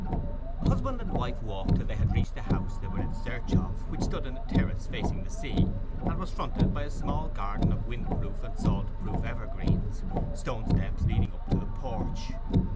Husband and wife walked till they had reached the house they were in search of, which stood in a terrace facing the sea, and was fronted by a small garden of wind proof and salt proof evergreens, stone steps leading up to the porch.